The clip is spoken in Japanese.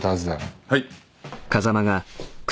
はい。